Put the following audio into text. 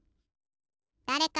だれか！